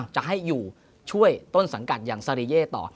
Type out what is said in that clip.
จะให้อยู่ช่วยต้นสังกัดอย่างซาริเย่ต่อ